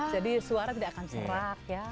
jadi suara tidak akan serak ya